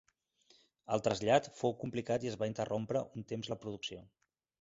El trasllat fou complicat i es va interrompre un temps la producció.